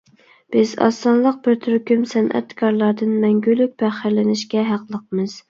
بىز ئاز سانلىق بىر تۈركۈم سەنئەتكارلاردىن مەڭگۈلۈك پەخىرلىنىشكە ھەقلىقمىز.